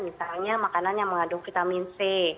misalnya makanan yang mengandung vitamin c